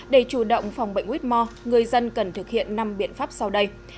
để chủ động phòng bệnh quýt mò người dân cần thực hiện năm biện pháp sau đây